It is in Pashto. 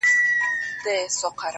ستا د پرونۍ ورځې عادت بې هوښه سوی دی!!